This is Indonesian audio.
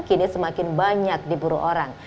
kini semakin banyak diburu orang